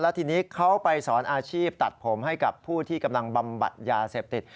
ทีนี้เขาไปสอนอาชีพตัดผมให้กับผู้ที่กำลังบำบัดยาเสพติด